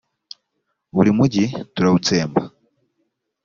buri mugi turawutsemba